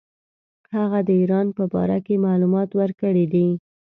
هغه د ایران په باره کې معلومات ورکړي دي.